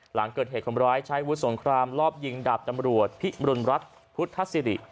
หลังเกิดเหตุคนร้ายใช้วุฒิสงครามรอบยิงดาบตำรวจพิมรุณรัฐพุทธศิริ